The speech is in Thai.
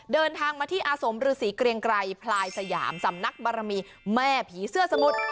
เดินทางมาที่อาสมฤษีเกรียงไกรพลายสยามสำนักบารมีแม่ผีเสื้อสมุทร